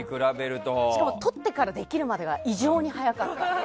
しかも撮ってからできるまでが異常に早かった。